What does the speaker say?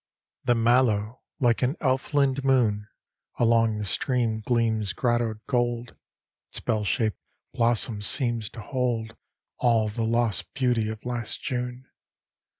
XIV The mallow, like an Elfland moon, Along the stream gleams grottoed gold; Its bell shaped blossom seems to hold All the lost beauty of last June.